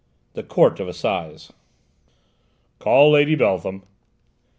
THE COURT OF ASSIZE "Call Lady Beltham!"